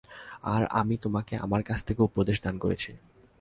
আর আমি তোমাকে আমার কাছ থেকে উপদেশ দান করেছি।